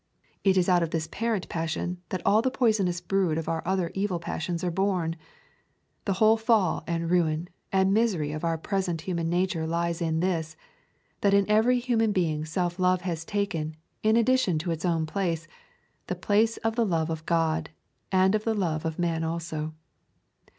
It is out of this parent passion that all the poisonous brood of our other evil passions are born. The whole fall and ruin and misery of our present human nature lies in this, that in every human being self love has taken, in addition to its own place, the place of the love of God and of the love of man also.